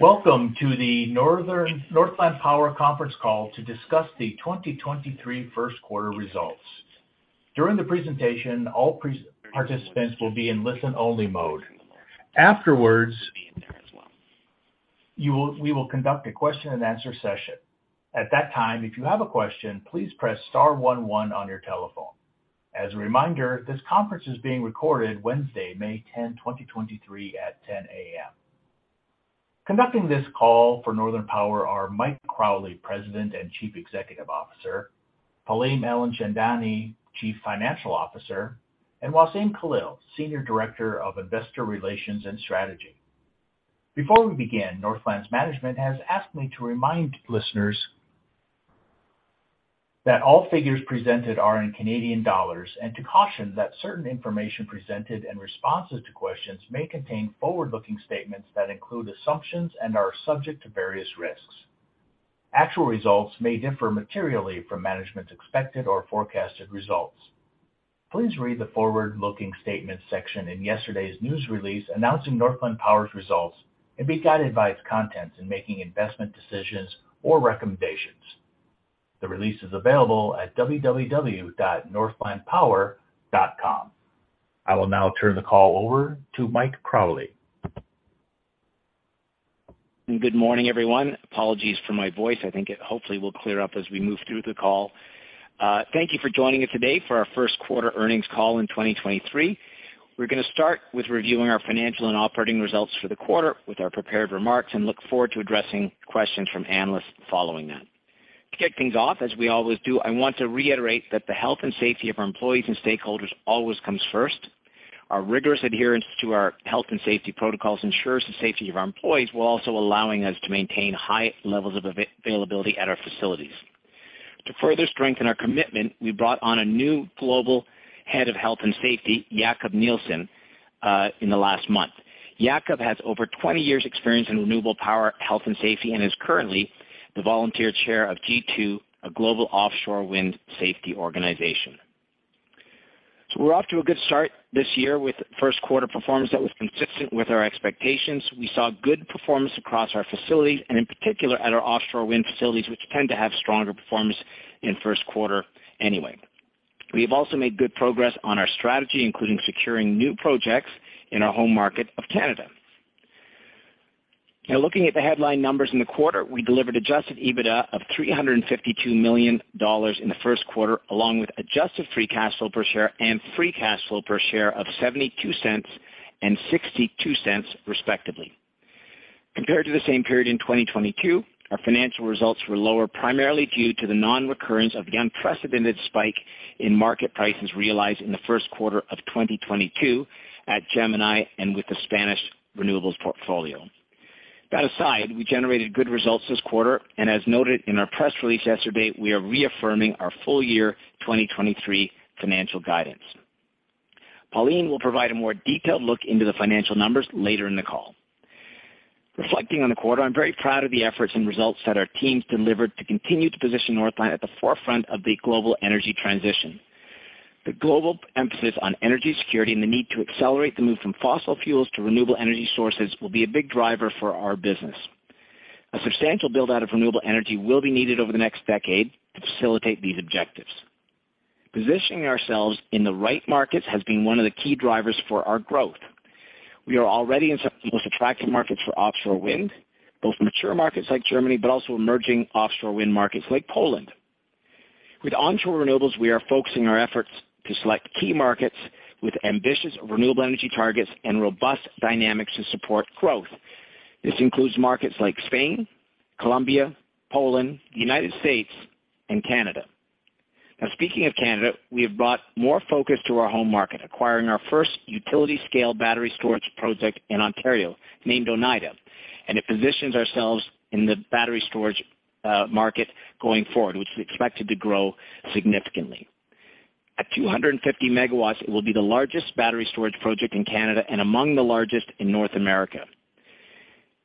Welcome to the Northland Power Conference Call to discuss the 2023 Q1 results. During the presentation, all participants will be in listen-only mode. Afterwards, we will conduct a question and answer session. At that time, if you have a question, please press star one one on your telephone. As a reminder, this conference is being recorded Wednesday, May 10, 2023 at 10:00 A.M. Conducting this call for Northland Power are Mike Crawley, President and Chief Executive Officer, Pauline Alimchandani, Chief Financial Officer, and Waseem Khalil, Senior Director of Investor Relations and Strategy. Before we begin, Northland's management has asked me to remind listeners that all figures presented are in Canadian dollars and to caution that certain information presented and responses to questions may contain forward-looking statements that include assumptions and are subject to various risks. Actual results may differ materially from management's expected or forecasted results. Please read the forward-looking statements section in yesterday's news release announcing Northland Power's results and be guided by its contents in making investment decisions or recommendations. The release is available at www.northlandpower.com. I will now turn the call over to Mike Crawley. Good morning, everyone. Apologies for my voice. I think it hopefully will clear up as we move through the call. Thank you for joining us today for our Q1 earnings call in 2023. We're gonna start with reviewing our financial and operating results for the quarter with our prepared remarks and look forward to addressing questions from analysts following that. To kick things off, as we always do, I want to reiterate that the health and safety of our employees and stakeholders always comes first. Our rigorous adherence to our health and safety protocols ensures the safety of our employees, while also allowing us to maintain high levels of availability at our facilities. To further strengthen our commitment, we brought on a new Global Head of Health and Safety, Jakob Nielsen, in the last month. Jakob has over 20 years' experience in renewable power, health, and safety and is currently the volunteer chair of G+, a global offshore wind safety organization. We're off to a good start this year with Q1 performance that was consistent with our expectations. We saw good performance across our facilities and in particular at our offshore wind facilities, which tend to have stronger performance in Q1 anyway. We have also made good progress on our strategy, including securing new projects in our home market of Canada. Looking at the headline numbers in the quarter, we delivered adjusted EBITDA of 352 million dollars in Q1, along with adjusted free cash flow per share and free cash flow per share of 0.72 and 0.62, respectively. Compared to the same period in 2022, our financial results were lower, primarily due to the nonrecurrence of the unprecedented spike in market prices realized in Q1 of 2022 at Gemini and with the Spanish renewables portfolio. That aside, we generated good results this quarter, and as noted in our press release yesterday, we are reaffirming our full year 2023 financial guidance. Pauline will provide a more detailed look into the financial numbers later in the call. Reflecting on the quarter, I'm very proud of the efforts and results that our teams delivered to continue to position Northland at the forefront of the global energy transition. The global emphasis on energy security and the need to accelerate the move from fossil fuels to renewable energy sources will be a big driver for our business. A substantial build-out of renewable energy will be needed over the next decade to facilitate these objectives. Positioning ourselves in the right markets has been one of the key drivers for our growth. We are already in some of the most attractive markets for offshore wind, both mature markets like Germany, but also emerging offshore wind markets like Poland. With onshore renewables, we are focusing our efforts to select key markets with ambitious renewable energy targets and robust dynamics to support growth. This includes markets like Spain, Colombia, Poland, United States, and Canada. Now, speaking of Canada, we have brought more focus to our home market, acquiring our first utility-scale battery storage project in Ontario named Oneida, and it positions ourselves in the battery storage market going forward, which is expected to grow significantly. At 250 MW, it will be the largest battery storage project in Canada and among the largest in North America.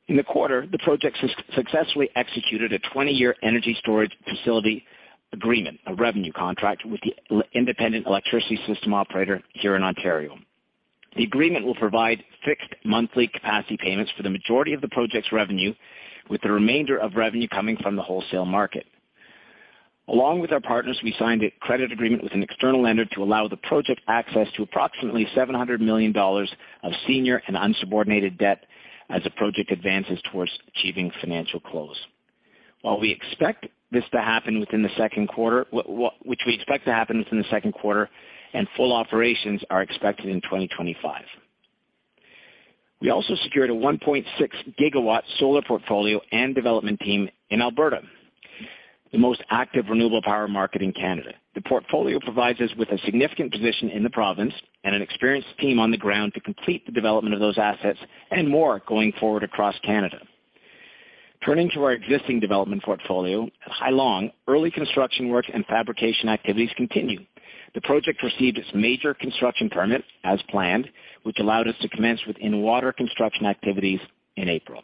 In the quarter, the project successfully executed a 20-year energy storage facility agreement, a revenue contract, with the Independent Electricity System Operator here in Ontario. The agreement will provide fixed monthly capacity payments for the majority of the project's revenue, with the remainder of revenue coming from the wholesale market. Along with our partners, we signed a credit agreement with an external lender to allow the project access to approximately $700 million of senior and unsubordinated debt as the project advances towards achieving financial close. While we expect this to happen within the 2Q, which we expect to happen within the 2Q and full operations are expected in 2025. We also secured a 1.6 GW solar portfolio and development team in Alberta, the most active renewable power market in Canada. The portfolio provides us with a significant position in the province and an experienced team on the ground to complete the development of those assets and more going forward across Canada. Turning to our existing development portfolio, at Hai Long, early construction work and fabrication activities continue. The project received its major construction permit as planned, which allowed us to commence with in-water construction activities in April.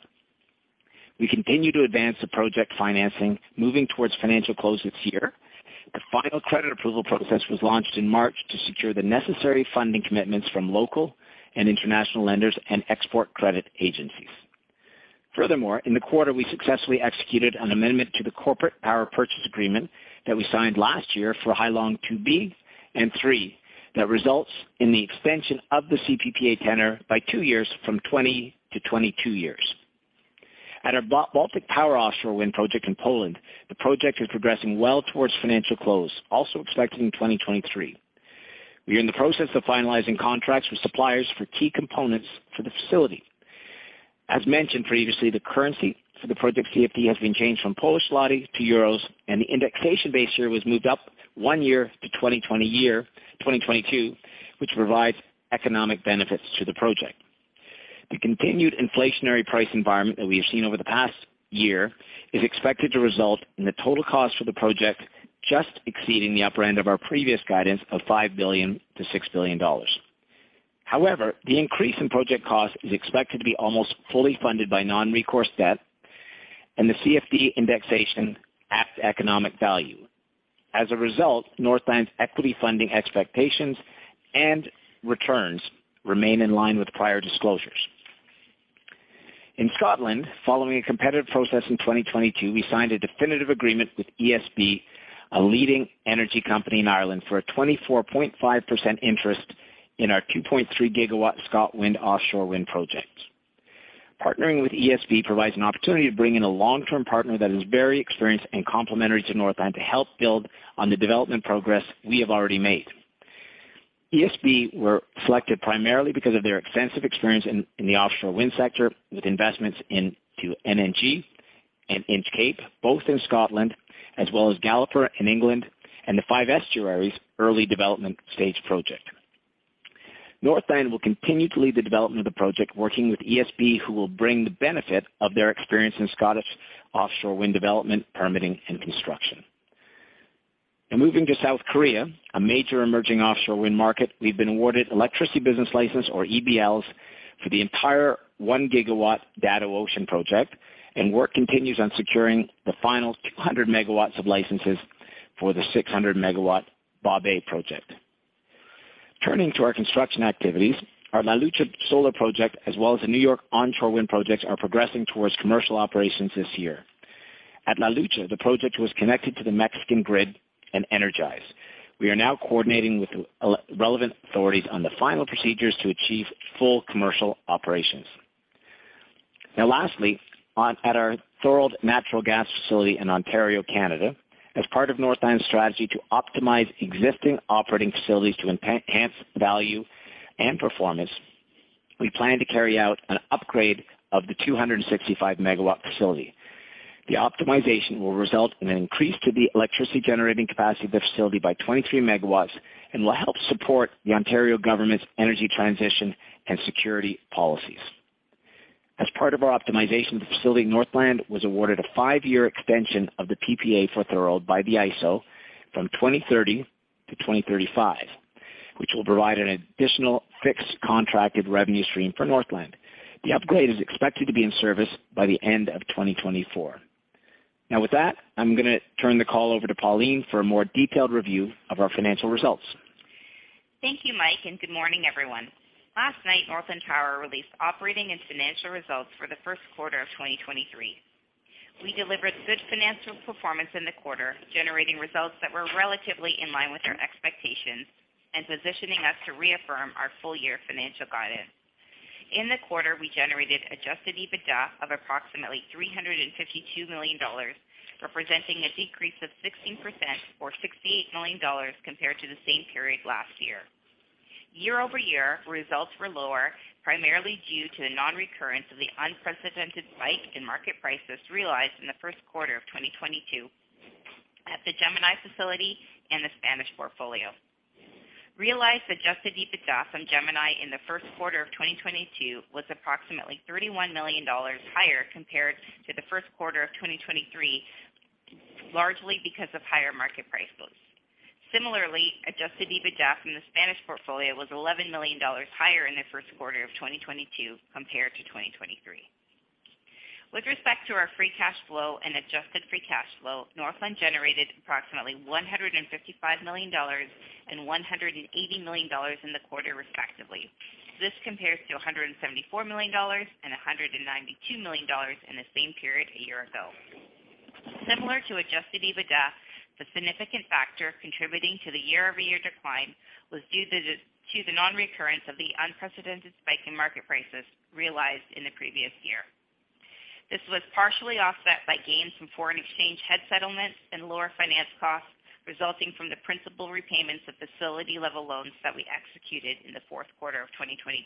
We continue to advance the project financing, moving towards financial close this year. The final credit approval process was launched in March to secure the necessary funding commitments from local and international lenders and export credit agencies. Furthermore, in the quarter, we successfully executed an amendment to the corporate power purchase agreement that we signed last year for Hai Long Two B and Three that results in the extension of the CPPA tenor by 2 years from 20-22 years. At our Baltic Power offshore wind project in Poland, the project is progressing well towards financial close, also expected in 2023. We are in the process of finalizing contracts with suppliers for key components for the facility. As mentioned previously, the currency for the project CFD has been changed from PLN to EUR, and the indexation base year was moved up 1 year to 2022, which provides economic benefits to the project. The continued inflationary price environment that we have seen over the past year is expected to result in the total cost for the project just exceeding the upper end of our previous guidance of 5 billion-6 billion dollars. However, the increase in project cost is expected to be almost fully funded by non-recourse debt and the CFD indexation at economic value. As a result, Northland's equity funding expectations and returns remain in line with prior disclosures. In Scotland, following a competitive process in 2022, we signed a definitive agreement with ESB, a leading energy company in Ireland, for a 24.5% interest in our 2.3 gigawatt ScotWind offshore wind project. Partnering with ESB provides an opportunity to bring in a long-term partner that is very experienced and complementary to Northland to help build on the development progress we have already made. ESB were selected primarily because of their extensive experience in the offshore wind sector, with investments into NnG and Inch Cape, both in Scotland, as well as Galloper in England, and the Five Estuaries early development stage project. Northland will continue to lead the development of the project, working with ESB, who will bring the benefit of their experience in Scottish offshore wind development, permitting, and construction. Moving to South Korea, a major emerging offshore wind market, we've been awarded Electricity Business License, or EBLs, for the entire 1-gigawatt Dado Ocean project, and work continues on securing the final 200 megawatts of licenses for the 600-megawatt Bobae project. Turning to our construction activities, our La Luz solar project, as well as the New York onshore wind projects, are progressing towards commercial operations this year. At La Luz, the project was connected to the Mexican grid and energized. We are now coordinating with the relevant authorities on the final procedures to achieve full commercial operations. Lastly, at our Thorold natural gas facility in Ontario, Canada, as part of Northland's strategy to optimize existing operating facilities to enhance value and performance, we plan to carry out an upgrade of the 265 megawatt facility. The optimization will result in an increase to the electricity generating capacity of the facility by 23 megawatts and will help support the Ontario government's energy transition and security policies. As part of our optimization of the facility, Northland was awarded a 5-year extension of the PPA for Thorold by the IESO from 2030 to 2035, which will provide an additional fixed contracted revenue stream for Northland. The upgrade is expected to be in service by the end of 2024. With that, I'm gonna turn the call over to Pauline for a more detailed review of our financial results. Thank you, Mike, and good morning, everyone. Last night, Northland Power released operating and financial results for Q1 of 2023. We delivered good financial performance in the quarter, generating results that were relatively in line with our expectations and positioning us to reaffirm our full-year financial guidance. In the quarter, we generated adjusted EBITDA of approximately 352 million dollars, representing a decrease of 16% or 68 million dollars compared to the same period last year. Year-over-year results were lower, primarily due to the non-recurrence of the unprecedented spike in market prices realized in Q1 of 2022 at the Gemini facility and the Spanish portfolio. Realized adjusted EBITDA from Gemini in Q1 of 2022 was approximately 31 million dollars higher compared to Q1 of 2023, largely because of higher market price goals. Similarly, adjusted EBITDA from the Spanish portfolio was $11 million higher in Q1 of 2022 compared to 2023. With respect to our free cash flow and adjusted free cash flow, Northland generated approximately $155 million and $180 million in the quarter, respectively. This compares to $174 million and $192 million in the same period a year ago. Similar to adjusted EBITDA, the significant factor contributing to the year-over-year decline was due to the non-recurrence of the unprecedented spike in market prices realized in the previous year. This was partially offset by gains from foreign exchange head settlements and lower finance costs resulting from the principal repayments of facility-level loans that we executed in the fourth quarter of 2022.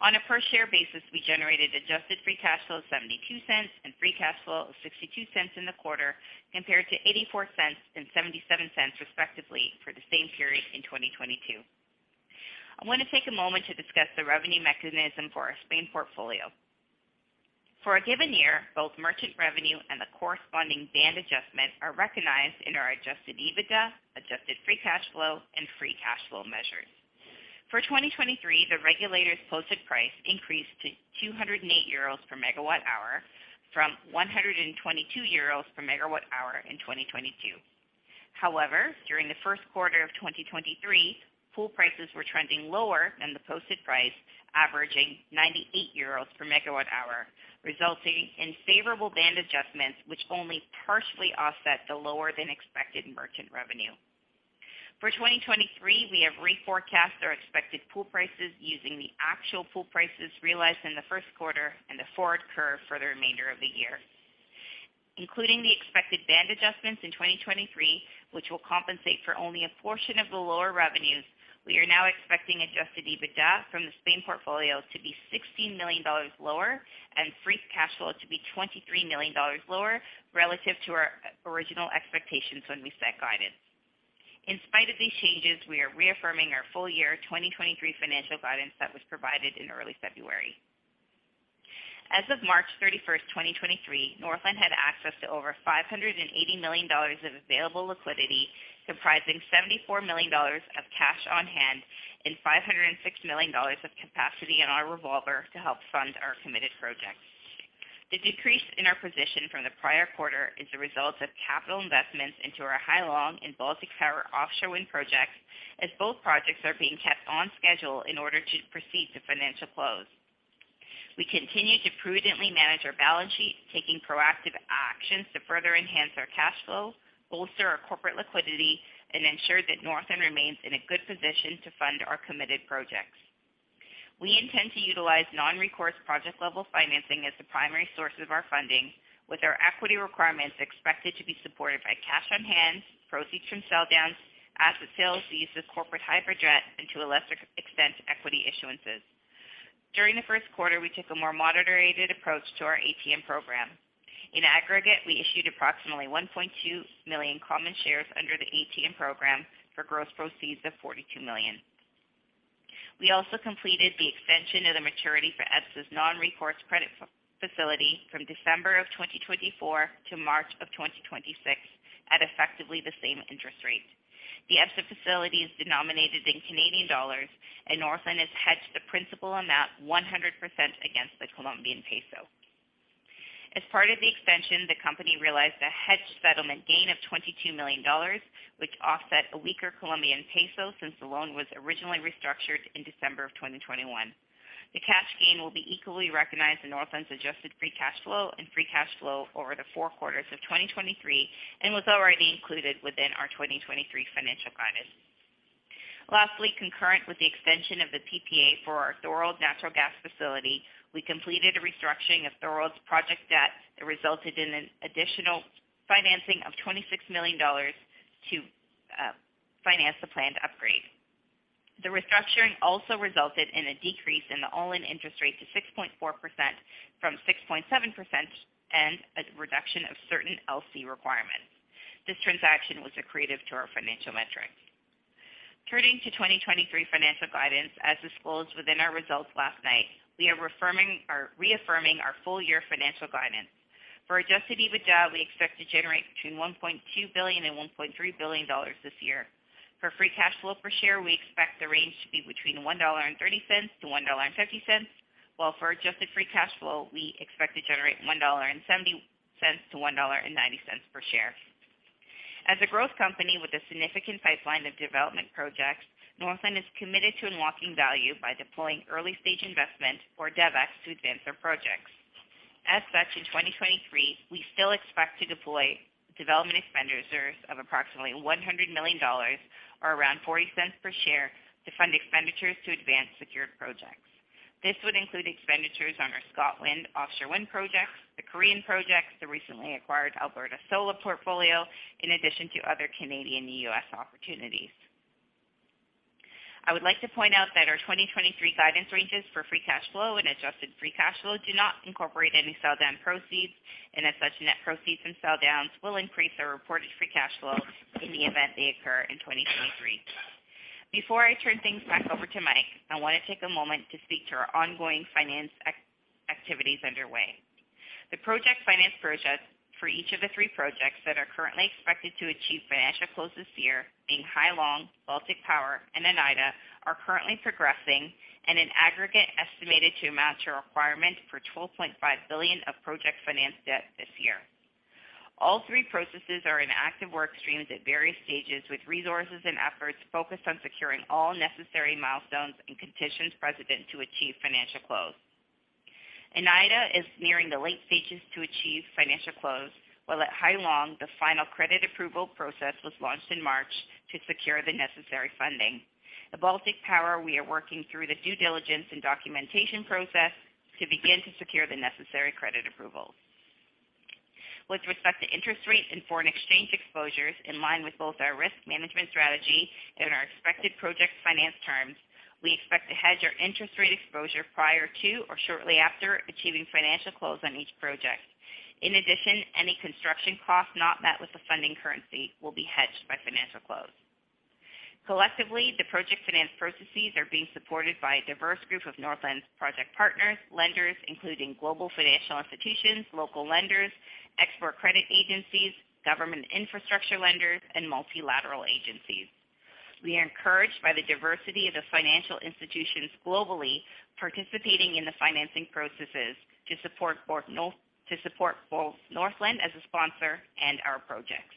On a per-share basis, we generated adjusted free cash flow of $0.72 and free cash flow of $0.62 in the quarter, compared to $0.84 and $0.77, respectively, for the same period in 2022. I want to take a moment to discuss the revenue mechanism for our Spain portfolio. For a given year, both merchant revenue and the corresponding band adjustment are recognized in our adjusted EBITDA, adjusted free cash flow, and free cash flow measures. For 2023, the regulator's posted price increased to 208 euros per megawatt hour from 122 euros per megawatt hour in 2022. However, during Q1 of 2023, pool prices were trending lower than the posted price, averaging 98 euros per megawatt hour, resulting in favorable band adjustments, which only partially offset the lower-than-expected merchant revenue. For 2023, we have reforecast our expected pool prices using the actual pool prices realized in Q1 and the forward curve for the remainder of the year. Including the expected band adjustments in 2023, which will compensate for only a portion of the lower revenues, we are now expecting adjusted EBITDA from the Spain portfolio to be $16 million lower and free cash flow to be $23 million lower relative to our original expectations when we set guidance. In spite of these changes, we are reaffirming our full-year 2023 financial guidance that was provided in early February. As of March 31st, 2023, Northland had access to over $580 million of available liquidity, comprising $74 million of cash on hand and $506 million of capacity in our revolver to help fund our committed projects. The decrease in our position from the prior quarter is the result of capital investments into our Hai Long and Baltic Power offshore wind projects, as both projects are being kept on schedule in order to proceed to financial close. We continue to prudently manage our balance sheet, taking proactive actions to further enhance our cash flow, bolster our corporate liquidity, and ensure that Northland remains in a good position to fund our committed projects. We intend to utilize non-recourse project-level financing as the primary source of our funding, with our equity requirements expected to be supported by cash on hand, proceeds from sell downs, asset sales to use the corporate hybrid debt, and to a lesser extent, equity issuances. During Q1, we took a more moderated approach to our ATM program. In aggregate, we issued approximately 1.2 million common shares under the ATM program for gross proceeds of 42 million. We also completed the extension of the maturity for EBSA's non-recourse credit facility from December 2024 to March 2026 at effectively the same interest rate. The EBSA facility is denominated in Canadian dollars, and Northland has hedged the principal amount 100% against the Colombian peso. As part of the extension, the company realized a hedged settlement gain of 22 million dollars, which offset a weaker Colombian peso since the loan was originally restructured in December 2021. The cash gain will be equally recognized in Northland's adjusted free cash flow and free cash flow over the four quarters of 2023, and was already included within our 2023 financial guidance. Lastly, concurrent with the extension of the PPA for our Thorold Natural Gas facility, we completed a restructuring of Thorold's project debt that resulted in an additional financing of 26 million dollars to finance the planned upgrade. The restructuring also resulted in a decrease in the all-in interest rate to 6.4% from 6.7% and a reduction of certain LC requirements. This transaction was accretive to our financial metrics. Turning to 2023 financial guidance, as disclosed within our results last night, we are reaffirming our full-year financial guidance. For adjusted EBITDA, we expect to generate between 1.2 billion and 1.3 billion dollars this year. For free cash flow per share, we expect the range to be between $1.30-$1.50, while for adjusted free cash flow, we expect to generate $1.70-$1.90 per share. As a growth company with a significant pipeline of development projects, Northland is committed to unlocking value by deploying early-stage investment, or DevEx, to advance our projects. As such, in 2023, we still expect to deploy development expenditures of approximately $100 million, or around $0.40 per share, to fund expenditures to advance secured projects. This would include expenditures on our Scotland offshore wind projects, the Korean projects, the recently acquired Alberta solar portfolio, in addition to other Canadian and U.S. opportunities. I would like to point out that our 2023 guidance ranges for free cash flow and adjusted free cash flow do not incorporate any sell down proceeds. As such, net proceeds from sell downs will increase our reported free cash flow in the event they occur in 2023. Before I turn things back over to Mike, I want to take a moment to speak to our ongoing finance activities underway. The project finance process for each of the three projects that are currently expected to achieve financial close this year, being Hai Long, Baltic Power, and Oneida, are currently progressing and in aggregate estimated to match our requirement for 12.5 billion of project finance debt this year. All three processes are in active work streams at various stages, with resources and efforts focused on securing all necessary milestones and conditions precedent to achieve financial close. Oneida is nearing the late stages to achieve financial close, while at Hai Long, the final credit approval process was launched in March to secure the necessary funding. At Baltic Power, we are working through the due diligence and documentation process to begin to secure the necessary credit approvals. With respect to interest rate and foreign exchange exposures, in line with both our risk management strategy and our expected project finance terms, we expect to hedge our interest rate exposure prior to or shortly after achieving financial close on each project. Any construction cost not met with the funding currency will be hedged by financial close. Collectively, the project finance processes are being supported by a diverse group of Northland's project partners, lenders, including global financial institutions, local lenders, export credit agencies, government infrastructure lenders, and multilateral agencies. We are encouraged by the diversity of the financial institutions globally participating in the financing processes to support both Northland as a sponsor and our projects.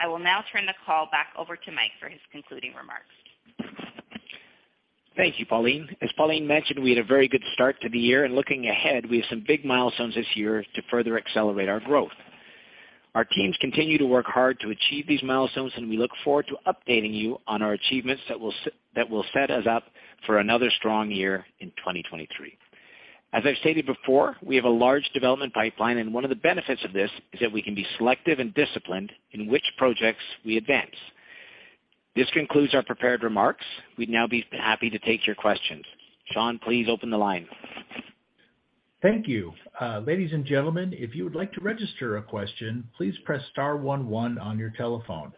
I will now turn the call back over to Mike for his concluding remarks. Thank you, Pauline. As Pauline mentioned, we had a very good start to the year, and looking ahead, we have some big milestones this year to further accelerate our growth. Our teams continue to work hard to achieve these milestones, and we look forward to updating you on our achievements that will set us up for another strong year in 2023. As I've stated before, we have a large development pipeline, and one of the benefits of this is that we can be selective and disciplined in which projects we advance. This concludes our prepared remarks. We'd now be happy to take your questions. Sean, please open the line. Thank you. Ladies and gentlemen, if you would like to register a question, please press star 11 on your telephone.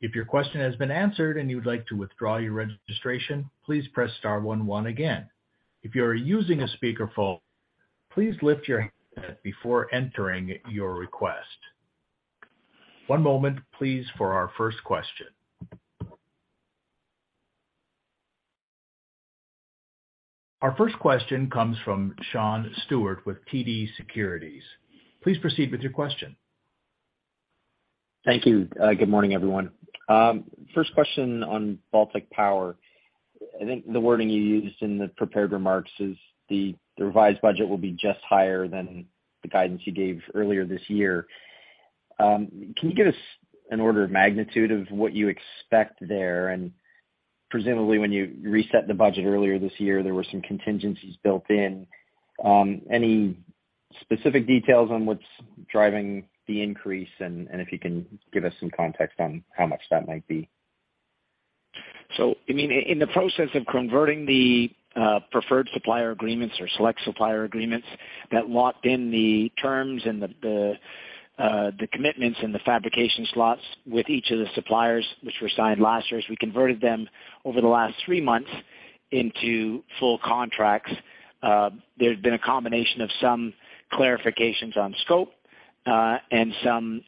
If your question has been answered and you would like to withdraw your registration, please press star 11 again. If you are using a speakerphone, please lift your before entering your request. One moment please for our first question. Our first question comes from Sean Steuart with TD Securities. Please proceed with your question. Thank you. Good morning, everyone. First question on Baltic Power. The wording you used in the prepared remarks is the revised budget will be just higher than the guidance you gave earlier this year. Can you give us an order of magnitude of what you expect there? Presumably, when you reset the budget earlier this year, there were some contingencies built in. Any specific details on what's driving the increase, and if you can give us some context on how much that might be. In the process of converting the preferred supplier agreements or select supplier agreements that locked in the terms and the commitments and the fabrication slots with each of the suppliers, which were signed last year, as we converted them over the last 3 months into full contracts, there had been a combination of some clarifications on scope, and some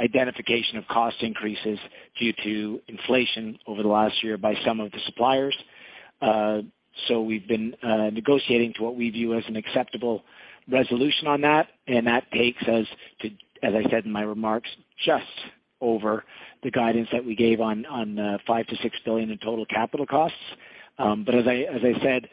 identification of cost increases due to inflation over the last year by some of the suppliers. We've been negotiating to what we view as an acceptable resolution on that, and that takes us to, as I said in my remarks, just over the guidance that we gave on 5 billion-6 billion in total capital costs. As I said,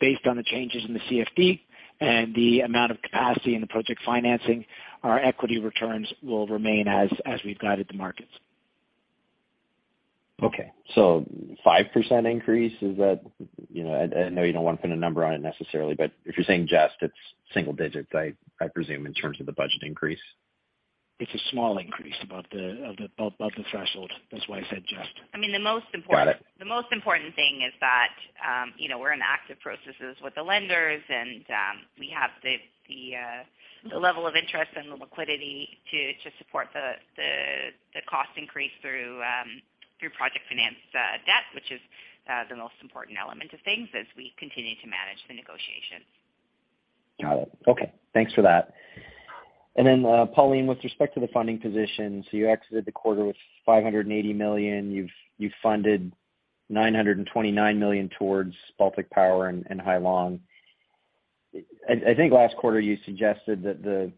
based on the changes in the CFD and the amount of capacity in the project financing, our equity returns will remain as we've guided the markets. Okay, 5% increase, is that? I know you don't want to put a number on it necessarily, but if you're saying just, it's single digits, I presume, in terms of the budget increase? It's a small increase above the threshold. That's why I said just. I mean, the most important. Got it. The most important thing is that, we're in active processes with the lenders and we have the level of interest and the liquidity to support the cost increase through project finance debt, which is the most important element of things as we continue to manage the negotiations. Got it. Okay. Thanks for that. Pauline, with respect to the funding position, you exited the quarter with 580 million. You funded 929 million towards Baltic Power and Hai Long. I think last quarter you suggested that the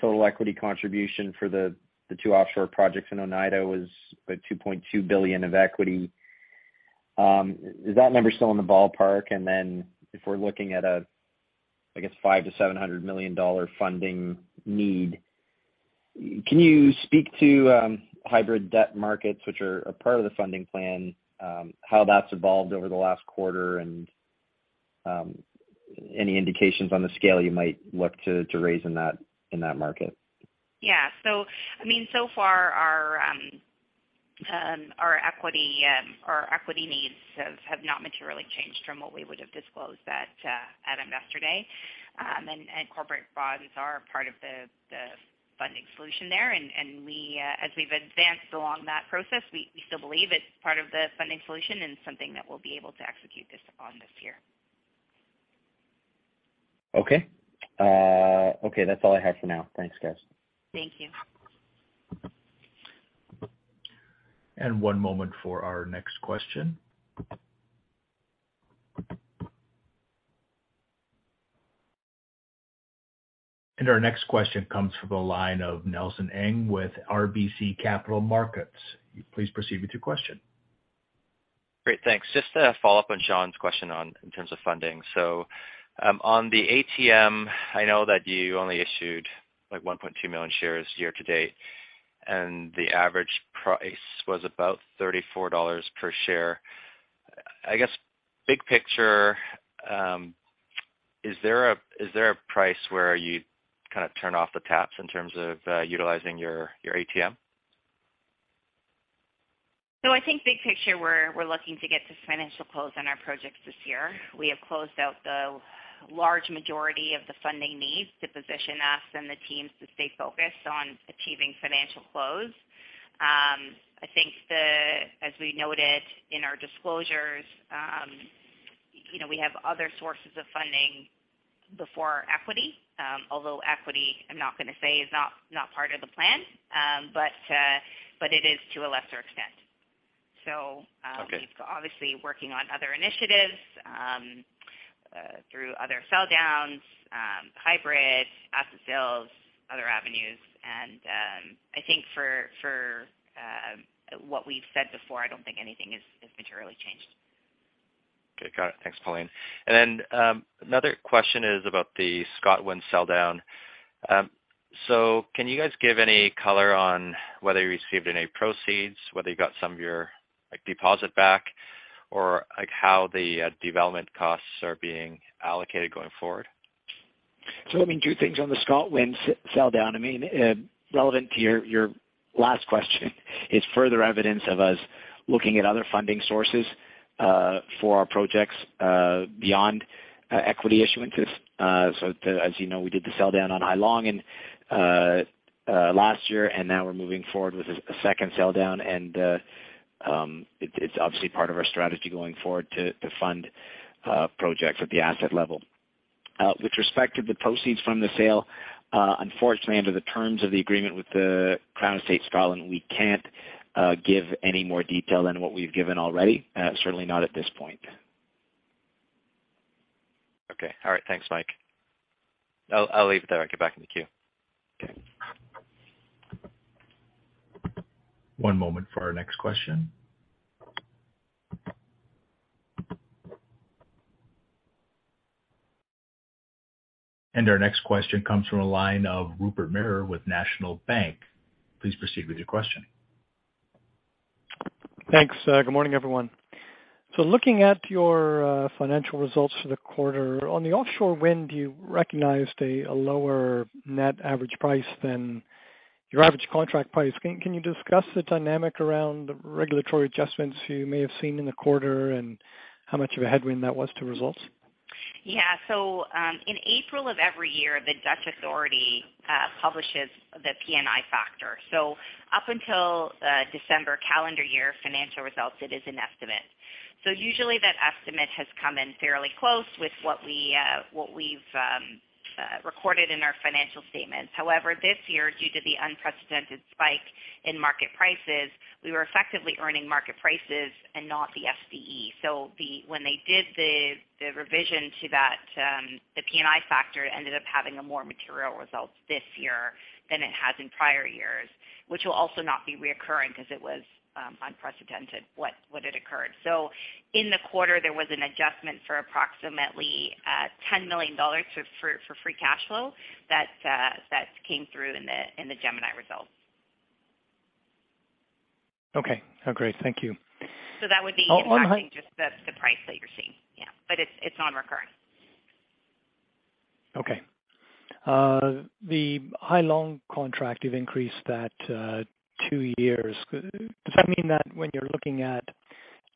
total equity contribution for the two offshore projects in Oneida was 2.2 billion of equity. Is that number still in the ballpark? If we're looking at, I guess, a 500 million-700 million dollar funding need, can you speak to hybrid debt markets, which are a part of the funding plan, how that's evolved over the last quarter and any indications on the scale you might look to raise in that market? I mean, so far our equity needs have not materially changed from what we would have disclosed at Investor Day. Corporate bonds are a part of the funding solution there. We as we've advanced along that process, we still believe it's part of the funding solution and something that we'll be able to execute on this year. Okay. That's all I had for now. Thanks, guys. Thank you. One moment for our next question. Our next question comes from the line of Nelson Ng with RBC Capital Markets. Please proceed with your question. Great, thanks. Just to follow up on Sean's question on, in terms of funding. On the ATM, I know that you only issued like 1.2 million shares year to date, and the average price was about $34 per share. I guess, big picture, is there a price where you kind of turn off the taps in terms of utilizing your ATM? I think big picture, we're looking to get to financial close on our projects this year. We have closed out the large majority of the funding needs to position us and the teams to stay focused on achieving financial close. As we noted in our disclosures, we have other sources of funding before equity. Although equity, I'm not gonna say is not part of the plan. But it is to a lesser extent. Okay. We've obviously working on other initiatives, through other sell downs, hybrid asset sales, other avenues. For what we've said before, I don't think anything has materially changed. Okay, got it. Thanks, Pauline. Another question is about the ScotWind sell down. Can you guys give any color on whether you received any proceeds, whether you got some of your, like, deposit back or, like, how the development costs are being allocated going forward? Two things on the ScotWind sell down. I mean, relevant to your last question is further evidence of us looking at other funding sources for our projects beyond equity issuances. As we did the sell down on Hai Long and last year, and now we're moving forward with a second sell down and it's obviously part of our strategy going forward to fund projects at the asset level. With respect to the proceeds from the sale, unfortunately, under the terms of the agreement with Crown Estate Scotland, we can't give any more detail than what we've given already, certainly not at this point. Okay. All right. Thanks, Mike. I'll leave it there and get back in the queue. Okay. One moment for our next question. Our next question comes from a line of Rupert Merer with National Bank. Please proceed with your question. Thanks. Good morning, everyone. Looking at your financial results for the quarter on the offshore wind, you recognized a lower net average price than your average contract price. Can you discuss the dynamic around regulatory adjustments you may have seen in the quarter and how much of a headwind that was to results? In April of every year, the Dutch authority publishes the PNI factor. Up until December calendar year financial results, it is an estimate. Usually that estimate has come in fairly close with what we, what we've recorded in our financial statements. However, this year, due to the unprecedented spike in market prices, we were effectively earning market prices and not the SDE. When they did the revision to that, the PNI factor, it ended up having a more material result this year than it has in prior years, which will also not be reoccurring because it was unprecedented what had occurred. In the quarter, there was an adjustment for approximately 10 million dollars for free cash flow that came through in the Gemini results. Okay. Oh, great. Thank you. That would be impacting just the price that you're seeing. But it's non-recurring. Okay. The Hai Long contract, you've increased that 2 years. Does that mean that when you're looking at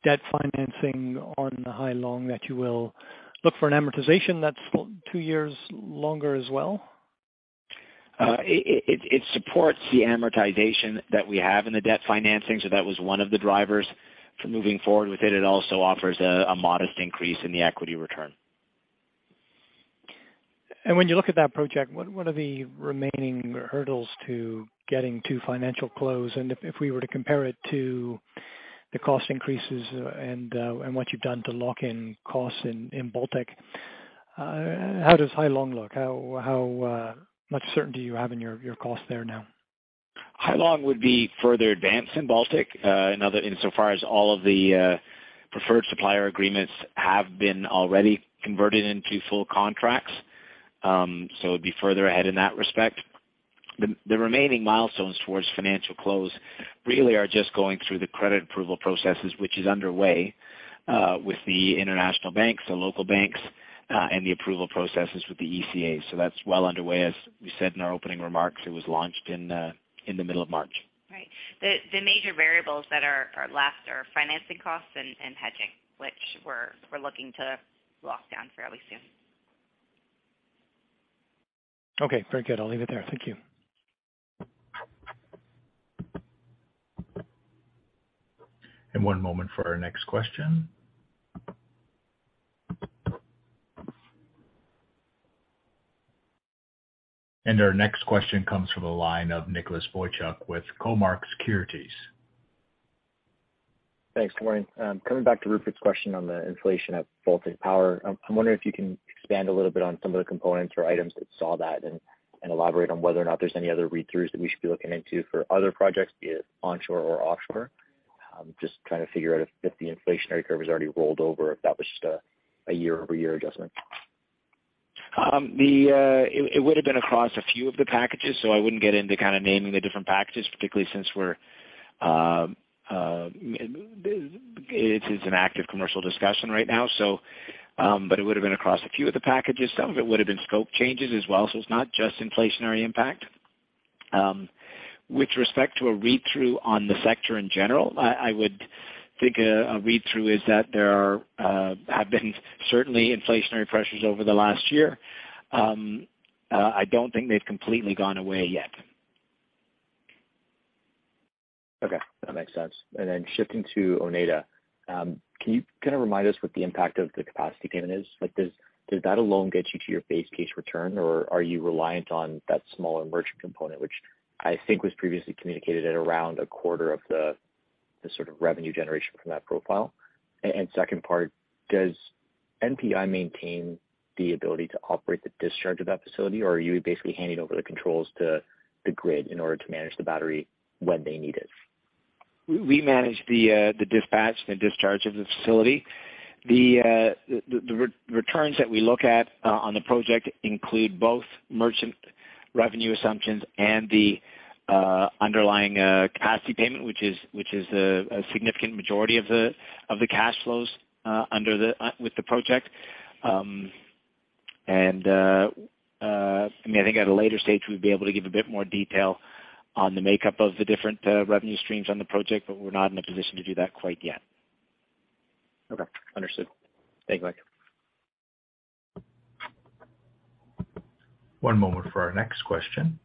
debt financing on the Hai Long, that you will look for an amortization that's 2 years longer as well? It supports the amortization that we have in the debt financing, so that was one of the drivers for moving forward with it. It also offers a modest increase in the equity return. When you look at that project, what are the remaining hurdles to getting to financial close? If we were to compare it to the cost increases and what you've done to lock in costs in Baltic, how does Hai Long look? How much certainty you have in your cost there now? Hai Long would be further advanced than Baltic in so far as all of the preferred supplier agreements have been already converted into full contracts. It'd be further ahead in that respect. The remaining milestones towards financial close really are just going through the credit approval processes, which is underway with the international banks, the local banks, and the approval processes with the ECA. That's well underway. As we said in our opening remarks, it was launched in the middle of March. Right. The major variables that are left are financing costs and hedging, which we're looking to lock down fairly soon. Okay. Very good. I'll leave it there. Thank you. One moment for our next question. Our next question comes from the line of Nicholas Boychuk with Cormark Securities. Thanks. Good morning. Coming back to Rupert's question on the inflation at Baltic Power. I'm wondering if you can expand a little bit on some of the components or items that saw that and elaborate on whether or not there's any other read-throughs that we should be looking into for other projects, be it onshore or offshore. Just trying to figure out if the inflationary curve has already rolled over or if that was just a year-over-year adjustment. It would have been across a few of the packages, so I wouldn't get into kind of naming the different packages, particularly since we're it is an active commercial discussion right now, but it would have been across a few of the packages. Some of it would have been scope changes as well, so it's not just inflationary impact. With respect to a read-through on the sector in general, I would think a read-through is that there have been certainly inflationary pressures over the last year. I don't think they've completely gone away yet. Okay, that makes sense. Then shifting to Oneida, can you kind of remind us what the impact of the capacity payment is? Does that alone get you to your base case return, or are you reliant on that smaller merchant component, which I think was previously communicated at around a quarter of the sort of revenue generation from that profile? Second part, does NPI maintain the ability to operate the discharge of that facility, or are you basically handing over the controls to the grid in order to manage the battery when they need it? We manage the dispatch, the discharge of the facility. The returns that we look at on the project include both merchant revenue assumptions and the underlying capacity payment, which is a significant majority of the cash flows with the project. I mean, I think at a later stage, we'd be able to give a bit more detail on the makeup of the different revenue streams on the project, but we're not in a position to do that quite yet. Okay. Understood. Thanks, Mike. One moment for our next question.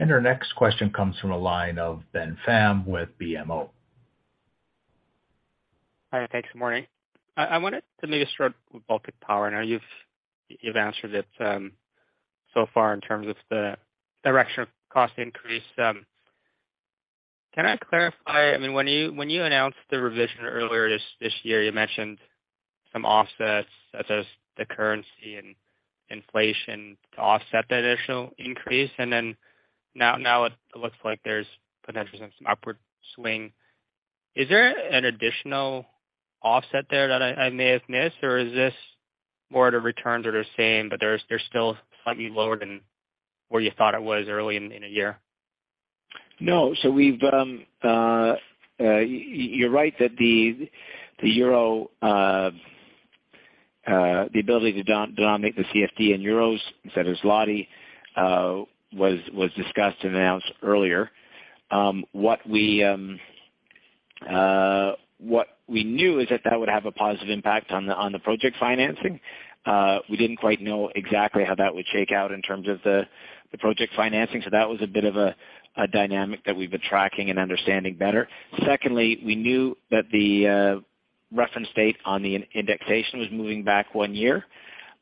Our next question comes from a line of Ben Pham with BMO. Hi, thanks. Good morning. I wanted to maybe start with Baltic Power. I know you've answered it so far in terms of the direction of cost increase. Can I clarify, I mean, when you announced the revision earlier this year, you mentioned some offsets such as the currency and inflation to offset the initial increase. Now it looks like there's potentially some upward swing. Is there an additional offset there that I may have missed, or is this more the returns are the same, they're still slightly lower than where you thought it was early in the year? No. We've you're right that the euro the ability to denominate the CFD in euros instead of zloty was discussed and announced earlier. What we knew is that that would have a positive impact on the project financing. We didn't quite know exactly how that would shake out in terms of the project financing, so that was a bit of a dynamic that we've been tracking and understanding better. Secondly, we knew that the reference date on the indexation was moving back 1 year.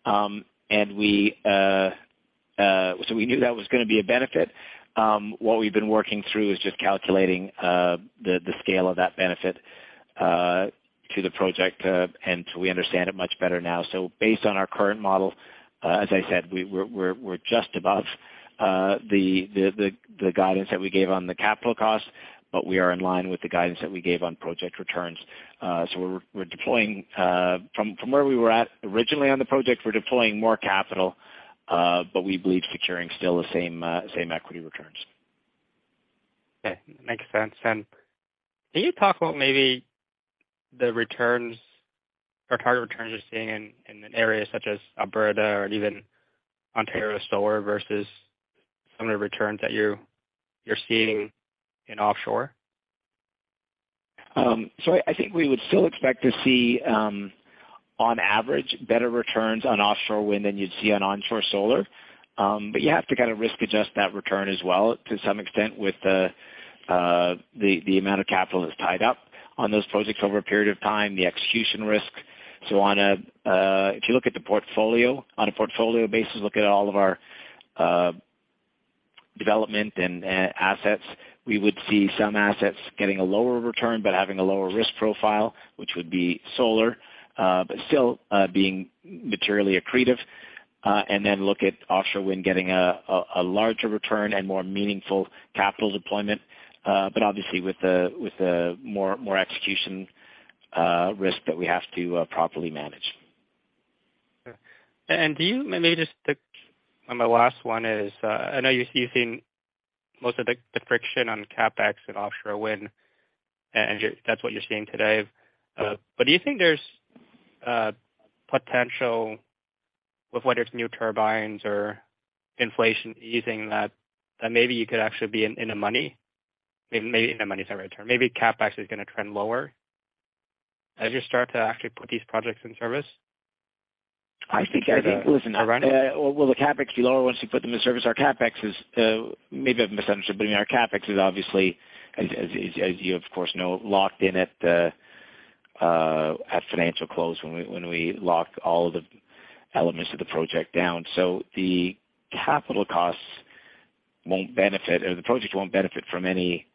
We knew that was gonna be a benefit. What we've been working through is just calculating the scale of that benefit to the project. We understand it much better now. Based on our current model, as I said, we're just above the guidance that we gave on the capital costs, but we are in line with the guidance that we gave on project returns. We're deploying from where we were at originally on the project, we're deploying more capital, but we believe securing still the same equity returns. Okay. Makes sense. Can you talk about maybe the returns or target returns you're seeing in areas such as Alberta or even Ontario solar versus some of the returns that you're seeing in offshore? I think we would still expect to see, on average, better returns on offshore wind than you'd see on onshore solar. You have to kind of risk adjust that return as well to some extent with the amount of capital that's tied up on those projects over a period of time, the execution risk. On a, if you look at the portfolio, on a portfolio basis, look at all of our development and assets, we would see some assets getting a lower return but having a lower risk profile, which would be solar, but still, being materially accretive. Look at offshore wind getting a larger return and more meaningful capital deployment. Obviously with the more execution risk that we have to properly manage. Sure. Do you maybe just my last one is, I know you're seeing most of the friction on CapEx and offshore wind, and that's what you're seeing today. Do you think there's potential with whether it's new turbines or inflation easing that maybe you could actually be in the money? Maybe in the money is not the right term. Maybe CapEx is gonna trend lower as you start to actually put these projects in service? I think. Run it. Will the CapEx be lower once you put them in service? Our CapEx is, maybe I've misunderstood, but I mean, our CapEx is obviously, as you of course know, locked in at the financial close when we, when we lock all the elements of the project down. The capital costs won't benefit, or the project won't benefit from any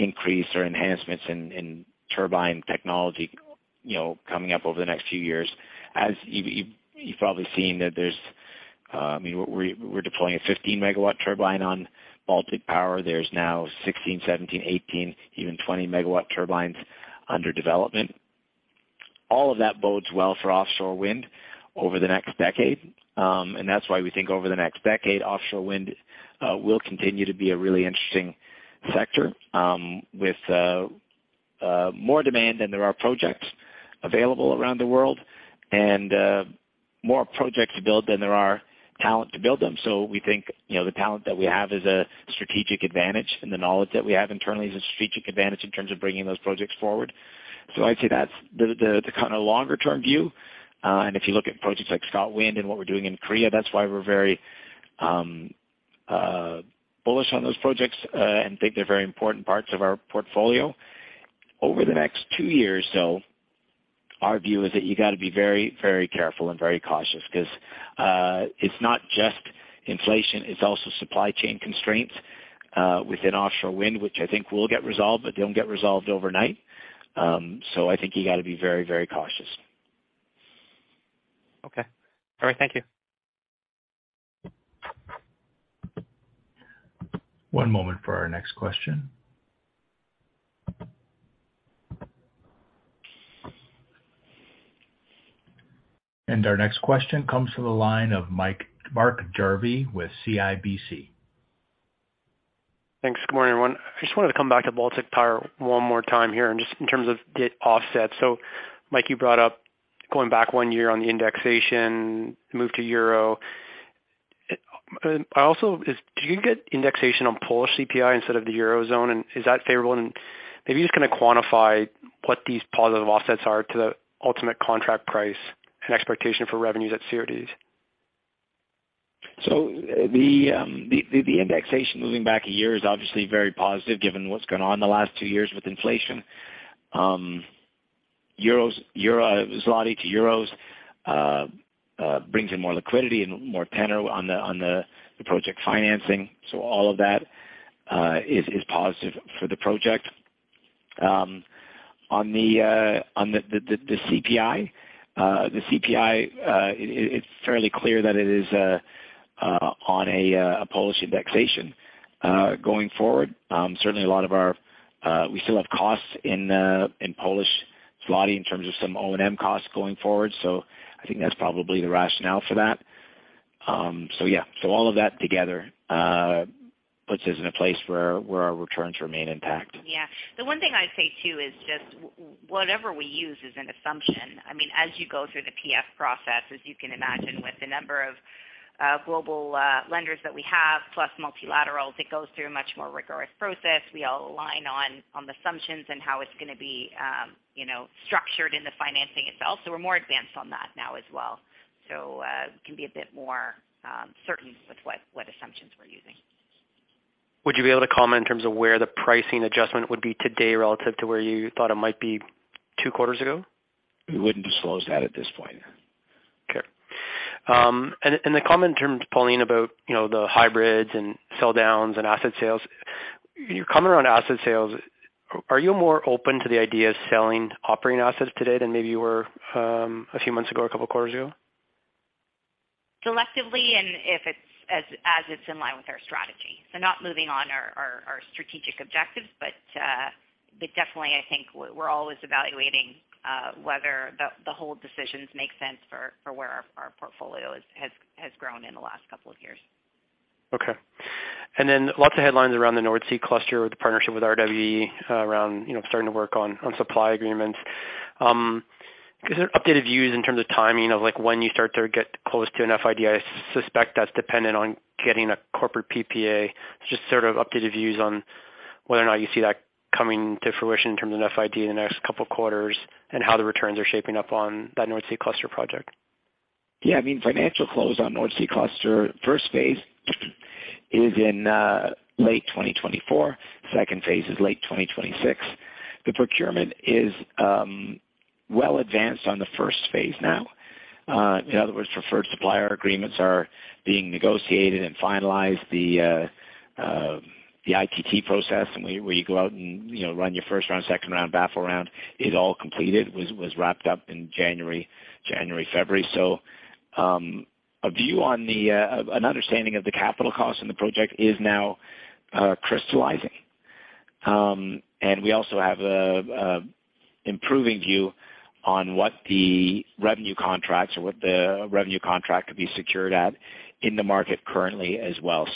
increase or enhancements in turbine technology, coming up over the next few years. As you've probably seen that there's, I mean, we're deploying a 15-megawatt turbine on Baltic Power. There's now 16, 17, 18, even 20-megawatt turbines under development. All of that bodes well for offshore wind over the next decade. That's why we think over the next decade, offshore wind will continue to be a really interesting sector with more demand than there are projects available around the world, and more projects to build than there are talent to build them. So we think, the talent that we have is a strategic advantage, and the knowledge that we have internally is a strategic advantage in terms of bringing those projects forward. So I'd say that's the kind of longer-term view. If you look at projects like ScotWind and what we're doing in Korea, that's why we're very bullish on those projects and think they're very important parts of our portfolio. Over the next two years, though, our view is that you got to be very, very careful and very cautious because it's not just inflation, it's also supply chain constraints within offshore wind, which I think will get resolved but don't get resolved overnight. I think you got to be very, very cautious. Okay. All right. Thank you. One moment for our next question. Our next question comes from the line of Mark Jarvi with CIBC. Thanks. Good morning, everyone. I just wanted to come back to Baltic Power one more time here and just in terms of the offsets. Mike, you brought up going back one year on the indexation move to euro. Also, do you get indexation on Polish CPI instead of the eurozone, and is that favorable? Maybe you just kind of quantify what these positive offsets are to the ultimate contract price and expectation for revenues at series. The indexation moving back 1 year is obviously very positive given what's going on in the last 2 years with inflation. zloty to euros brings in more liquidity and more tenor on the project financing. All of that is positive for the project. On the CPI, it's fairly clear that it is on a Polish indexation going forward. Certainly a lot of our, we still have costs in Polish zloty in terms of some O&M costs going forward. I think that's probably the rationale for that. Yeah. All of that together puts us in a place where our returns remain intact. The one thing I'd say too is just whatever we use is an assumption. I mean, as you go through the PF process, as you can imagine with the number of global lenders that we have, plus multilaterals, it goes through a much more rigorous process. We all align on the assumptions and how it's gonna be, structured in the financing itself. We're more advanced on that now as well. Can be a bit more certain with what assumptions we're using. Would you be able to comment in terms of where the pricing adjustment would be today relative to where you thought it might be 2 quarters ago? We wouldn't disclose that at this point. Okay. The comment in terms, Pauline, about, the hybrids and sell downs and asset sales. Your comment around asset sales, are you more open to the idea of selling operating assets today than maybe you were a few months ago or a couple of quarters ago? Selectively, if it's as it's in line with our strategy. Not moving on our strategic objectives, but definitely I think we're always evaluating whether the hold decisions make sense for where our portfolio has grown in the last couple of years. Lots of headlines around the North Sea cluster with the partnership with RWE around, starting to work on supply agreements. Is there updated views in terms of timing of, like, when you start to get close to an FID? I suspect that's dependent on getting a corporate PPA. Sort of updated views on whether or not you see that coming to fruition in terms of an FID in the next couple of quarters and how the returns are shaping up on that North Sea cluster project? Yeah. I mean, financial close on North Sea cluster first phase is in late 2024. Second phase is late 2026. The procurement is well advanced on the first phase now. In other words, preferred supplier agreements are being negotiated and finalized. The ITT process, where you go out and, run your first round, second round, ballot round is all completed. Was wrapped up in January, February. A view on the an understanding of the capital costs in the project is now crystallizing. We also have a improving view on what the revenue contracts or what the revenue contract could be secured at in the market currently as well.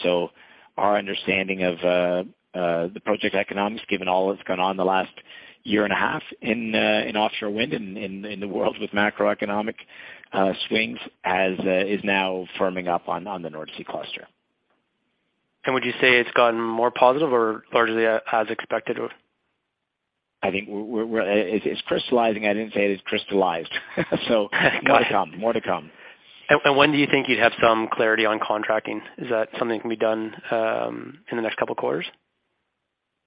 Our understanding of the project economics, given all that's gone on in the last year and a half in offshore wind in the world with macroeconomic swings as is now firming up on the North Sea cluster. Would you say it's gotten more positive or largely as expected or? I think it's crystallizing. I didn't say it is crystallized. More to come. More to come. When do you think you'd have some clarity on contracting? Is that something can be done in the next couple quarters?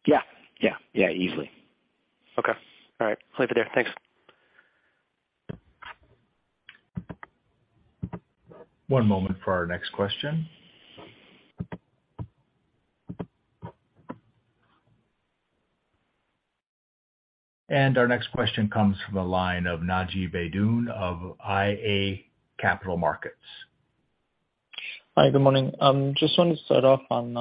Yeah, yeah. Yeah, easily. Okay. All right. I'll leave it there. Thanks. One moment for our next question. Our next question comes from the line of Naji Baydoun of iA Capital Markets. Hi. Good morning. Just wanted to start off on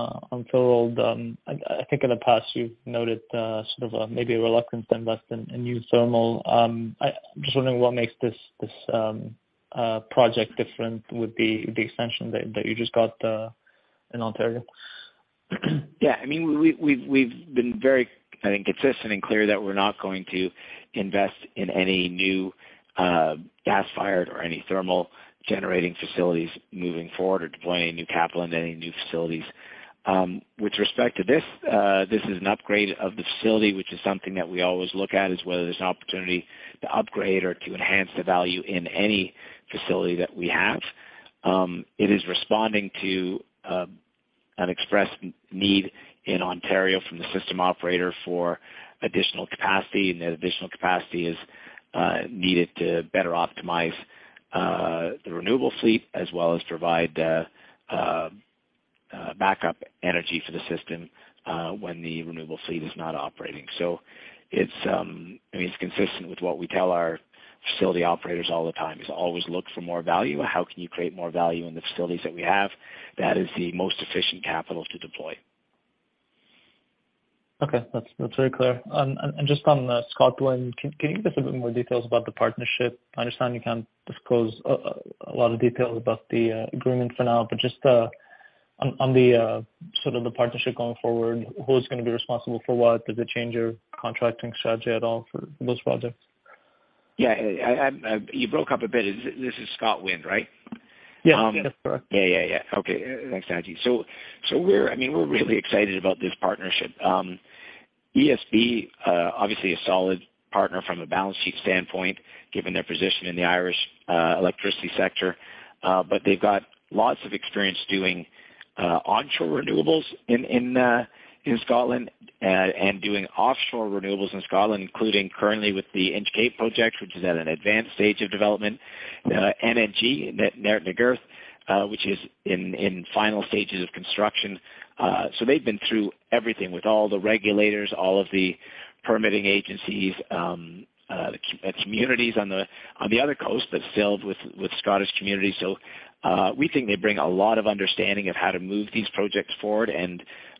Thorold. I think in the past you've noted sort of maybe a reluctance to invest in a new thermal. I'm just wondering what makes this project different with the extension that you just got in Ontario? Yeah. I mean, we've been very, I think, consistent and clear that we're not going to invest in any new gas-fired or any thermal generating facilities moving forward or deploy any new capital in any new facilities. With respect to this is an upgrade of the facility, which is something that we always look at, is whether there's an opportunity to upgrade or to enhance the value in any facility that we have. It is responding to an expressed need in Ontario from the system operator for additional capacity, and that additional capacity is needed to better optimize the renewable fleet as well as provide backup energy to the system when the renewable fleet is not operating. It's, I mean, it's consistent with what we tell our facility operators all the time, is always look for more value. How can you create more value in the facilities that we have? That is the most efficient capital to deploy. Okay. That's very clear. Just on the Scotland, can you give us a bit more details about the partnership? I understand you can't disclose a lot of details about the agreement for now, but just on the sort of the partnership going forward, who is gonna be responsible for what? Does it change your contracting strategy at all for those projects? Yeah. I'm. You broke up a bit. This is Scott Wind, right? Yeah. Yeah. Um. That's correct. Okay. Thanks, Naji. I mean, we're really excited about this partnership. ESB obviously a solid partner from a balance sheet standpoint, given their position in the Irish electricity sector. They've got lots of experience doing onshore renewables in Scotland and doing offshore renewables in Scotland, including currently with the Inch Cape project, which is at an advanced stage of development, NNG, Neart na Gaoithe, which is in final stages of construction. They've been through everything with all the regulators, all of the permitting agencies, the communities on the other coast that's filled with Scottish communities. We think they bring a lot of understanding of how to move these projects forward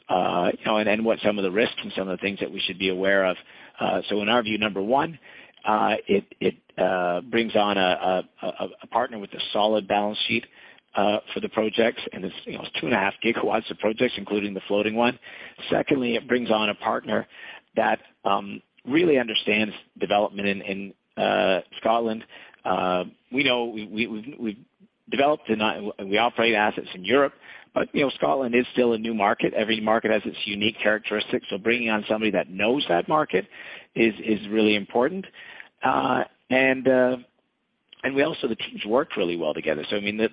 and, what some of the risks and some of the things that we should be aware of. In our view, number 1, it brings on a partner with a solid balance sheet for the projects, and it's, it's 2.5 gigawatts of projects, including the floating one. Secondly, it brings on a partner that really understands development in Scotland. We know we've developed and we operate assets in Europe, but, Scotland is still a new market. Every market has its unique characteristics, bringing on somebody that knows that market is really important. We also, the teams worked really well together. I mean, the,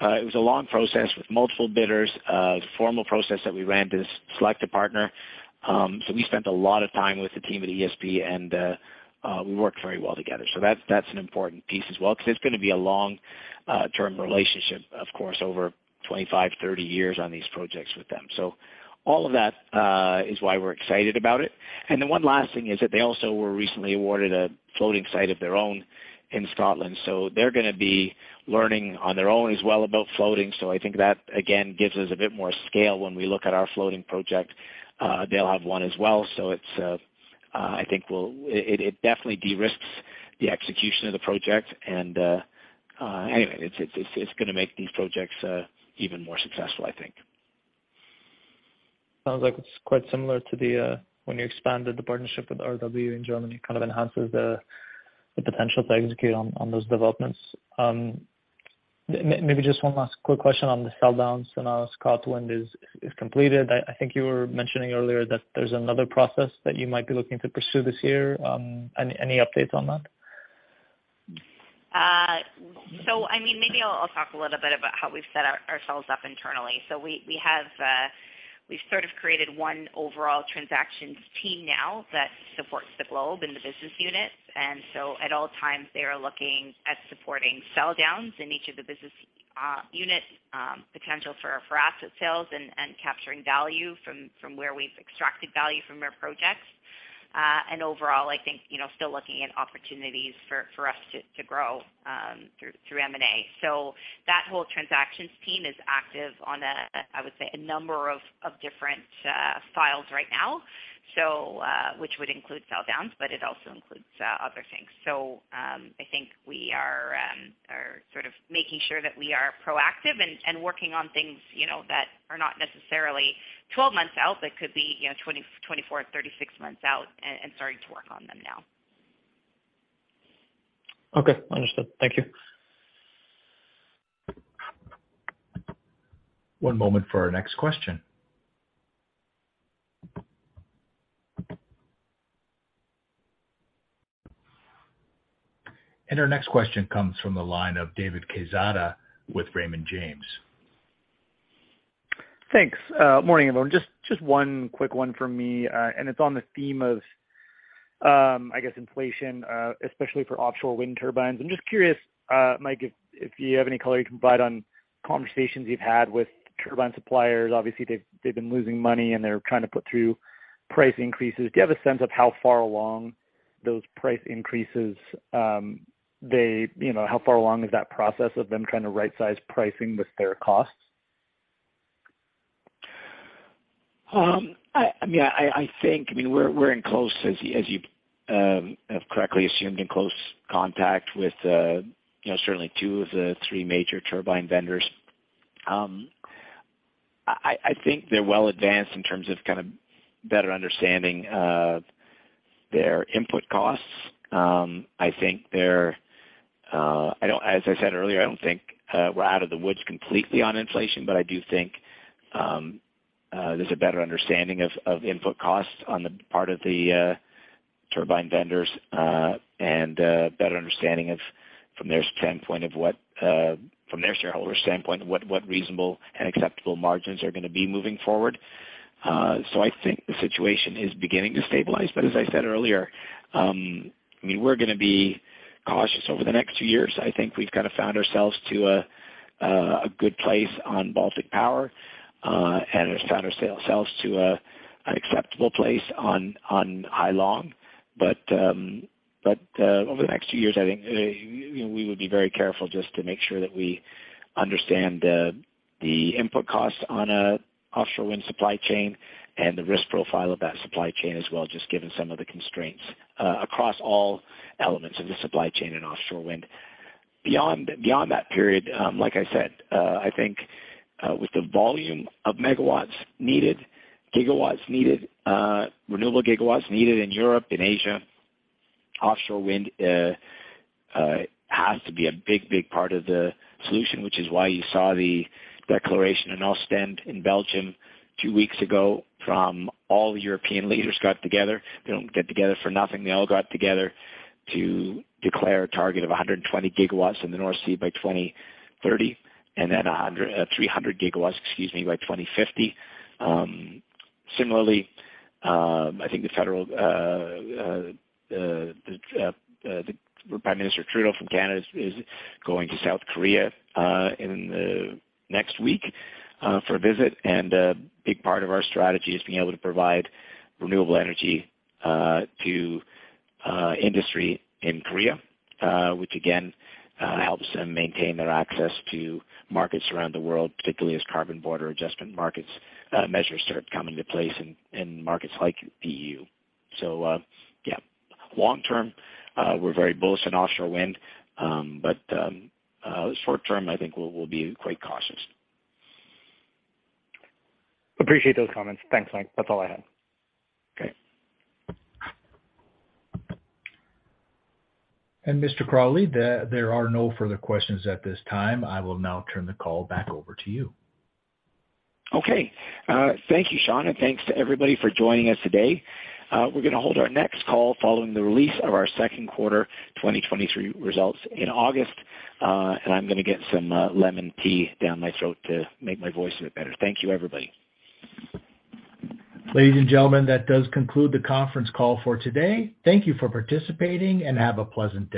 it was a long process with multiple bidders. The formal process that we ran to select a partner. We spent a lot of time with the team at ESB and we worked very well together. That's, that's an important piece as well, 'cause it's gonna be a long, term relationship, of course, over 25, 30 years on these projects with them. All of that is why we're excited about it. The one last thing is that they also were recently awarded a floating site of their own in Scotland, so they're gonna be learning on their own as well about floating. I think that, again, gives us a bit more scale when we look at our floating project. They'll have one as well, so it's. It definitely de-risks the execution of the project and, anyway, it's gonna make these projects even more successful, I think. Sounds like it's quite similar to the when you expanded the partnership with RWE in Germany, kind of enhances the potential to execute on those developments. Maybe just one last quick question on the sell downs. Now Scotland is completed. I think you were mentioning earlier that there's another process that you might be looking to pursue this year. Any updates on that? I mean, maybe I'll talk a little bit about how we've set ourselves up internally. We've sort of created one overall transactions team now that supports the globe and the business units. At all times they are looking at supporting sell downs in each of the business unit, potential for asset sales and capturing value from where we've extracted value from our projects. Overall I think, still looking at opportunities for us to grow through M&A. That whole transactions team is active on a, I would say, a number of different files right now. Which would include sell downs, but it also includes other things. We are sort of making sure that we are proactive and working on things, that are not necessarily 12 months out, that could be, 4, 36 months out and starting to work on them now. Okay. Understood. Thank you. One moment for our next question. Our next question comes from the line of David Quezada with Raymond James. Thanks. Morning, everyone. Just one quick one from me. It's on the theme of, I guess inflation, especially for offshore wind turbines. I'm just curious, Mike, if you have any color you can provide on conversations you've had with turbine suppliers. Obviously they've been losing money and they're trying to put through price increases. Do you have a sense of how far along those price increases, how far along is that process of them trying to right size pricing with their costs? I think we're in close as you, as you have correctly assumed, in close contact with certainly two of the three major turbine vendors. I think they're well advanced in terms of kind of better understanding of their input costs. As I said earlier, I don't think we're out of the woods completely on inflation, but I do think there's a better understanding of input costs on the part of the turbine vendors, and better understanding of, from their standpoint of what, from their shareholder standpoint, what reasonable and acceptable margins are gonna be moving forward. I think the situation is beginning to stabilize. As I said earlier, I mean, we're gonna be cautious over the next two years. I think we've kind of found ourselves to a good place on Baltic Power, and we've found ourselves to an acceptable place on Hai Long. Over the next two years, we would be very careful just to make sure that we understand the input costs on a offshore wind supply chain and the risk profile of that supply chain as well, just given some of the constraints across all elements of the supply chain in offshore wind. Beyond that period, like I said, I think with the volume of megawatts needed, gigawatts needed, renewable gigawatts needed in Europe and Asia, offshore wind has to be a big, big part of the solution, which is why you saw the declaration in Ostend in Belgium two weeks ago from all the European leaders got together. They don't get together for nothing. They all got together to declare a target of 120 gigawatts in the North Sea by 2030 and then 300 gigawatts, excuse me, by 2050. Similarly, I think the federal the Prime Minister Trudeau from Canada is going to South Korea in the next week for a visit. A big part of our strategy is being able to provide renewable energy to industry in Korea, which again helps them maintain their access to markets around the world, particularly as Carbon Border Adjustment markets measures start coming to place in markets like EU. Yeah. Long term, we're very bullish on offshore wind, short term, I think we'll be quite cautious. Appreciate those comments. Thanks, Mike. That's all I had. Okay. Mr. Crawley, there are no further questions at this time. I will now turn the call back over to you. Okay. Thank you, Sean, and thanks to everybody for joining us today. We're gonna hold our next call following the release of our second quarter 2023 results in August. I'm gonna get some lemon tea down my throat to make my voice a bit better. Thank you, everybody. Ladies and gentlemen, that does conclude the conference call for today. Thank you for participating, and have a pleasant day.